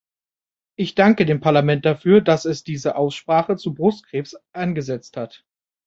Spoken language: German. Ich danke dem Parlament dafür, dass es diese Aussprache zu Brustkrebs angesetzt hat.